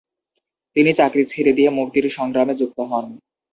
তিনি চাকরি ছেড়ে দিয়ে মুক্তির সংগ্রামে যুক্ত হন।